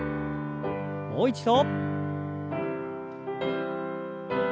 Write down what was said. もう一度。